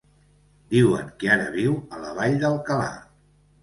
Diuen que ara viu a la Vall d'Alcalà.